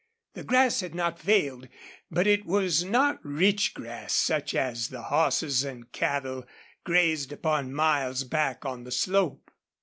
The grass had not failed, but it was not rich grass such as the horses and cattle grazed upon miles back on the slope.